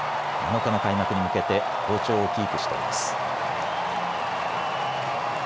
７日の開幕に向けて好調をキープしています。